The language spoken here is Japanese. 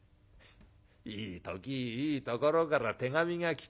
いい時いいところから手紙が来てるよ。